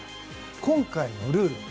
今回のルール